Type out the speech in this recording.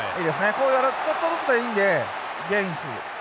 こういうちょっとずつでいいんでゲインする。